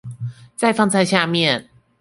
再放在下面